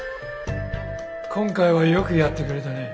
今回はよくやってくれたね。